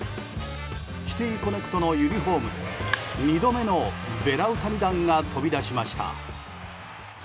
シティ・コネクトのユニホームで２度目のベラウタニ弾が飛び出しました。